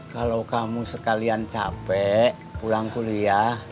kalau kamu sekalian capek pulang kuliah